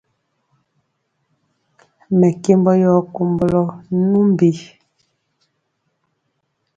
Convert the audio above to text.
Mɛkembɔ yɔ kombolɔ numbi.